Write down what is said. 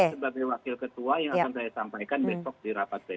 sebagai wakil ketua yang akan saya sampaikan besok di rapat p tiga